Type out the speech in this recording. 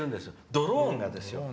ドローンがですよ。